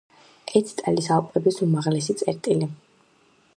ეცტალის ალპების უმაღლესი წერტილი.